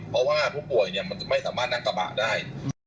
เพราะว่าผู้ป่วยเนี่ยมันไม่สามารถนั่งกระบะได้